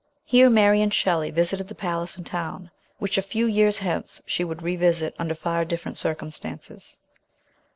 Here Mary and Shelley visited the palace and town, which a few years hence she would revisit under far different circumstances.